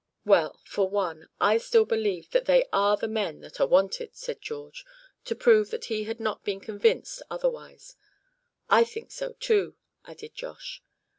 "Well, for one, I still believe they are the men that are wanted," said George, to prove that he had not been convinced otherwise. "I think so, too," added Josh.